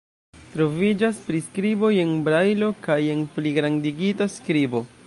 Troviĝas priskriboj en brajlo kaj en pligrandigita skribo.